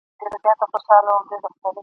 له حاصله یې د سونډو تار جوړیږي ..